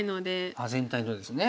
あっ全体のですね。